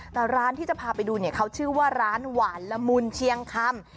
แต่ร้านที่จะพาไปดูเนี่ยเขาชื่อว่าร้านหวานละมุนเชียงคำ